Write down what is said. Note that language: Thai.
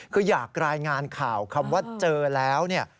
คืออยากรายงานข่าวคำว่าเจอแล้วเนี่ย